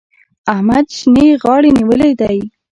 احمد شينې غاړې نيولی دی.